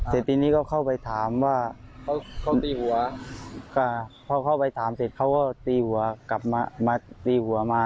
เสร็จทีนี้ก็เข้าไปถามว่าเขาตีหัวก็พอเข้าไปถามเสร็จเขาก็ตีหัวกลับมามาตีหัวมา